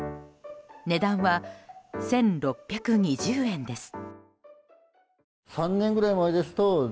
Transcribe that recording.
値段は１６２０円です。